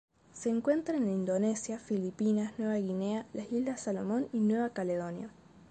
Se encuentran en Indonesia, Filipinas, Nueva Guinea, las Islas Salomón y Nueva Caledonia.